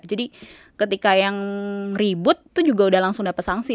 jadi ketika yang ribut tuh juga udah langsung dapat sanksi